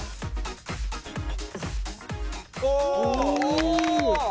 お！